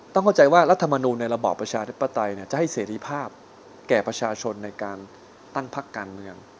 ต้องเข้าใจว่ารัฐมนูลในระบอบประชาธิปไตยจะให้เสรีภาพแก่ประชาชนในการตั้งพักการเมือง